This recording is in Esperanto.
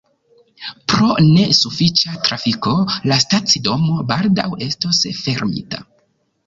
Pro ne sufiĉa trafiko, la stacidomo baldaŭ estos fermita.